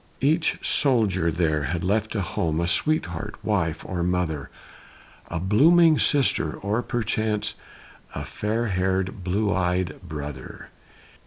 Each soldier there had left at home A sweetheart, wife, or mother, A blooming sister, or, perchance, A fair hair'd, blue eyed brother.